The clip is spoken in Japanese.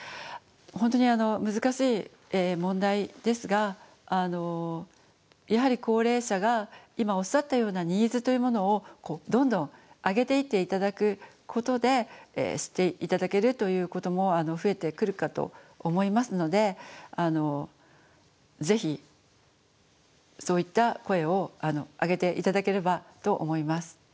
本当に難しい問題ですがやはり高齢者が今おっしゃったようなニーズというものをどんどん上げていって頂くことで知って頂けるということも増えてくるかと思いますのでぜひそういった声を上げて頂ければと思います。